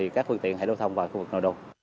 các phương tiện hãy lưu thông vào khu vực nội đô